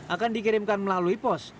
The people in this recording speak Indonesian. akan dikirimkan melalui pos